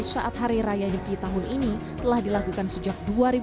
saat hari raya nyepi tahun ini telah dilakukan sejak dua ribu dua puluh